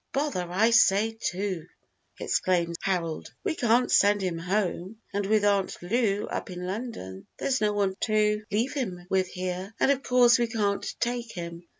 "Bother I say too," exclaims Harold; "we can't send him home, and with Aunt Lou up in London, there's no one to leave him with here, and of course we can't take him.